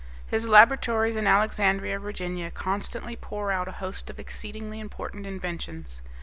His laboratories in Alexandria, Virginia, constantly pour out a host of exceedingly important inventions.